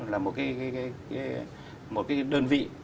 là một cái đơn vị